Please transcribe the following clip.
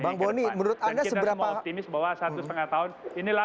dan kita semua optimis bahwa satu setengah tahun inilah